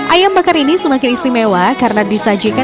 ayam bakar ini semakin istimewa karena disajikan